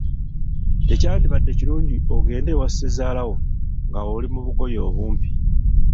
Tekyalibadde kirungi ogende wa Ssezaalawo nga oli mu bugoye obumpi.